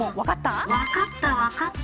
分かった、分かった。